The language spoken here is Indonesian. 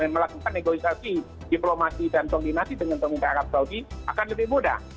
melakukan negosiasi diplomasi dan koordinasi dengan pemerintah arab saudi akan lebih mudah